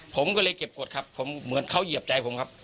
ผมก็เลยเก็บกฎครับผมเหมือนเขาเหยียบใจผมครับ